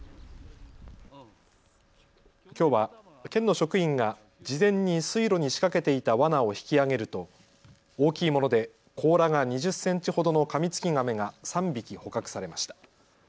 きょうは県の職員が事前に水路に仕掛けていたわなを引き上げると大きいもので甲羅が２０センチほどのカミツキガメが３匹捕獲されました。